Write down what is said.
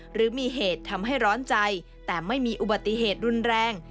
หรือมีเหตุทำให้ร้อนใจแต่ไม่มีอุบัติเหตุรุนแรง